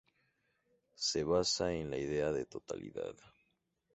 Se basa en la idea de totalidad.